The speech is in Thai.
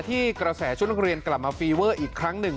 กระแสชุดนักเรียนกลับมาฟีเวอร์อีกครั้งหนึ่ง